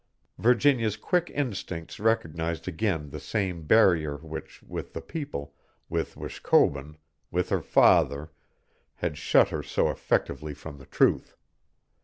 Virginia's quick instincts recognized again the same barrier which, with the people, with Wishkobun, with her father, had shut her so effectively from the truth.